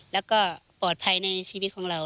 แล้วก็ปลอดภัยในชีวิตของเรา